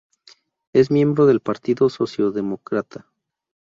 Es miembro del Partido Socialdemócrata.